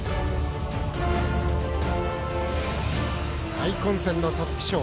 大混戦の皐月賞。